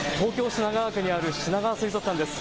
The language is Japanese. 品川区にあるしながわ水族館です。